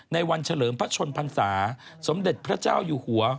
ในวันเฉลิมพระชนพรรษาสมเด็จพระเจ้าอยู่หัว